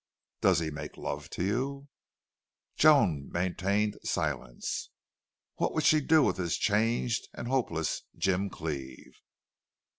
"Does he make love to you?" Joan maintained silence. What would she do with this changed and hopeless Jim Cleve?